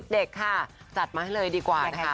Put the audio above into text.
เด็กจัดมาให้เลยดีกว่า